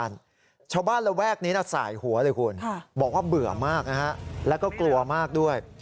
และก็กลัวมากด้วย